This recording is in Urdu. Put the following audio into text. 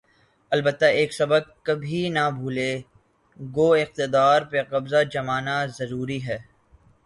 البتہ ایک سبق کبھی نہ بھولے‘ گو اقتدار پہ قبضہ جمانا ضروری ہے۔